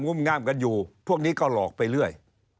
ุ่มงามกันอยู่พวกนี้ก็หลอกไปเรื่อย